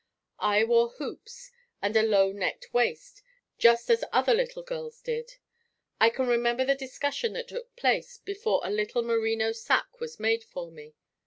I wore hoops and a low necked waist just as other little girls did. I can remember the discussion that took place before a little merino sack was made for me.